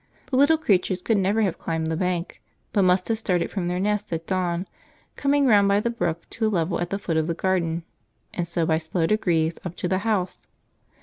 The little creatures could never have climbed the bank, but must have started from their nest at dawn, coming round by the brook to the level at the foot of the garden, and so by slow degrees up to the house.